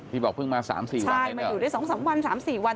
บอกเพิ่งมา๓๔วันใช่มาอยู่ได้๒๓วัน๓๔วัน